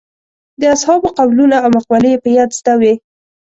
د اصحابو قولونه او مقولې یې په یاد زده وې.